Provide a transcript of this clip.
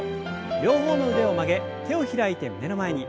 両方の腕を曲げ手を開いて胸の前に。